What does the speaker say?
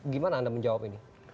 gimana anda menjawab ini